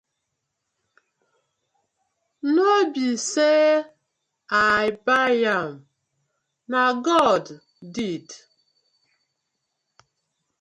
No bie say I bai am na god ded.